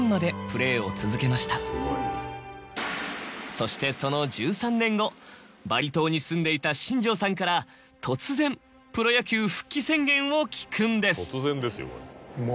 そしてその１３年後バリ島に住んでいた新庄さんから突然プロ野球復帰宣言を聞くんです。